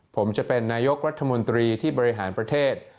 ผมจะเป็นนายกรัฐมนตรีที่บริหารประเทศ